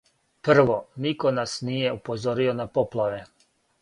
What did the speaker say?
Прво, нико нас није упозорио на поплаве.